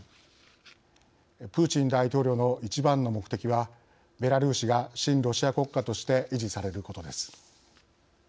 プーチン大統領の一番の目的はベラルーシが親ロシア国家として維持されることです。